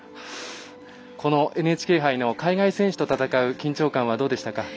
このＮＨＫ杯の海外選手と戦う緊張感はどうでしたか？